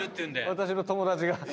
私の友達が。